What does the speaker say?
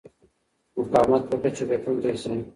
مقاومت وکړه چې ګټونکی شې.